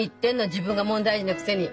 自分が問題児のくせに。